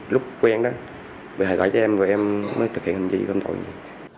lúc quen đó bị hại gái cho em rồi em mới thực hiện hình gì không tội gì